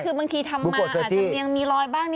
คือบางทีทำมาอาจจะมียังมีรอยบ้างนิดหน่อยอย่างนี้